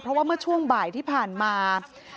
เพราะว่าเมื่อช่วงบ่ายที่ผ่านมา